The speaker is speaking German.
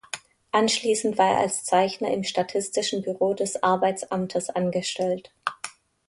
Anschließend war er als Zeichner im Statistischen Büro des Arbeitsamtes angestellt.